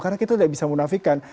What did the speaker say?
karena kita tidak bisa menafikan